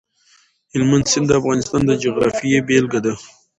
هلمند سیند د افغانستان د جغرافیې بېلګه ده.